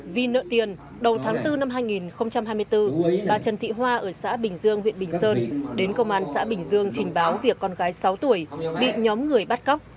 vì nợ tiền đầu tháng bốn năm hai nghìn hai mươi bốn bà trần thị hoa ở xã bình dương huyện bình sơn đến công an xã bình dương trình báo việc con gái sáu tuổi bị nhóm người bắt cóc